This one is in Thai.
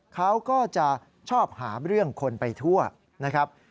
เขาก็จะชอบหาเรื่องคนไปทั่วนะครับ